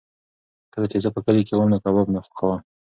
کله چې زه په کلي کې وم نو کباب مې خوښاوه.